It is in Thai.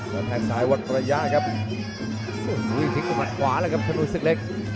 แล้วแพทย์สายวัดประยะครับสุดทิ้งด้วยขวาเลยครับธนูสึกเล็ก